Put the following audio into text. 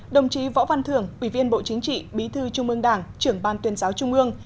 đồng chí võ văn thường quỷ viên bộ chính trị bí thư trung mương đảng trưởng ban tuyên giáo trung mương